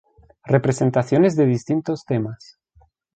Representaciones de distintos temas.